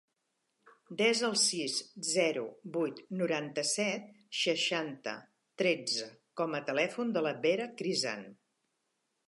Desa el sis, zero, vuit, noranta-set, seixanta, tretze com a telèfon de la Vera Crisan.